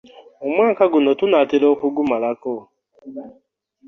Omwaka guno tunaatera okugumalako.